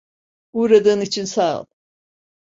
Uğradığın için sağ ol.